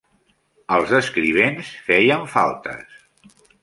Els escrivents feien faltes.